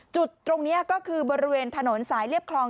จุดตรงนี้ก็คือบริเวณถนนสายเรียบคลอง